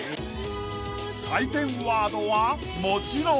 ［採点ワードはもちろん］